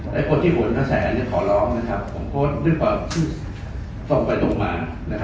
และคนที่หวนเหลือภาษาแสนี่ขอร้องนะครับผมโค้ดด้วยกว่าตรงไปตรงหมา